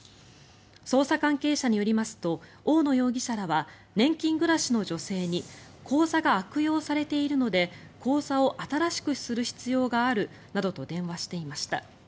捜査関係者によりますと大野容疑者らは年金暮らしの女性に口座が悪用されているので口座を新しくする必要があるなどと電話していました。